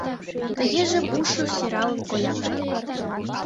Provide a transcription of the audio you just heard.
— Тыгеже пушо сӧралын коят.